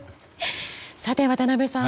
さて、渡辺さん